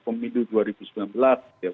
pemilu dua ribu sembilan belas ya